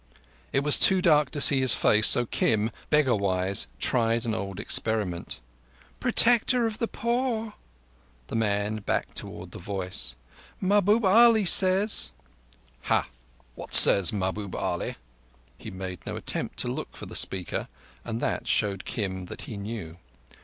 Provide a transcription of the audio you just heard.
It was too dark to see his face, so Kim, beggar wise, tried an old experiment. "Protector of the Poor!" The man backed towards the voice. "Mahbub Ali says—" "Hah! What says Mahbub Ali?" He made no attempt to look for the speaker, and that showed Kim that he knew.